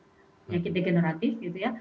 penyakit degeneratif gitu ya